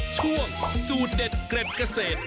ช่วงสูตรเด็ดเกร็ดเกษตร